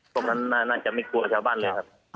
ตรงนั้นน่าจะไม่กลัวชาวบ้านเลยครับ